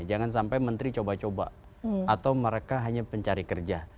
jangan sampai menteri coba coba atau mereka hanya pencari kerja